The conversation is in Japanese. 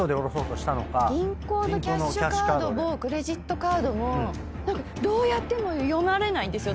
銀行のキャッシュカードもクレジットカードも何かどうやっても読まれないんですよ